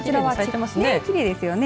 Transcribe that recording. きれいですよね。